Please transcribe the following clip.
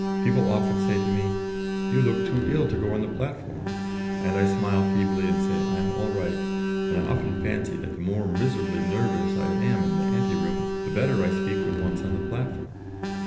People often say to me, "You look too ill to go on the platform." And I smile feebly and say I am all right, and I often fancy that the more miserably nervous I am in the ante room, the better I speak when once on the platform.